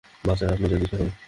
বাচ্চা আপনাদের দিতেই হবে।